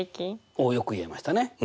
およく言えましたね。